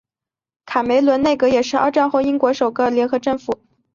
卡梅伦内阁也是二战后英国首个联合政府。